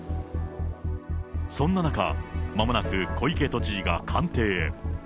そんな中、まもなく小池都知事が官邸へ。